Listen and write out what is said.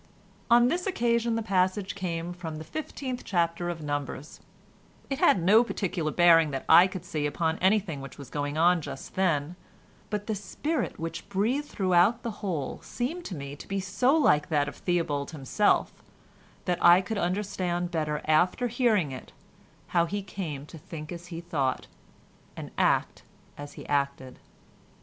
On this occasion the passage came from the fifteenth chapter of Numbers: it had no particular bearing that I could see upon anything which was going on just then, but the spirit which breathed throughout the whole seemed to me to be so like that of Theobald himself, that I could understand better after hearing it, how he came to think as he thought, and act as he acted.